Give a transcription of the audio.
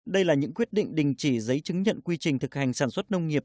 đây là những quyết định đình chỉ giấy chứng nhận quy trình thực hành sản xuất nông nghiệp